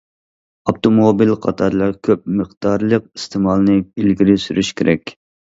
ئاپتوموبىل قاتارلىق كۆپ مىقدارلىق ئىستېمالنى ئىلگىرى سۈرۈش كېرەك.